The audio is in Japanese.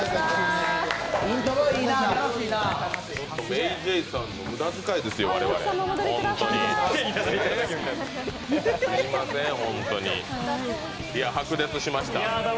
ＭａｙＪ．さんの無駄遣いですよ、我々白熱しました。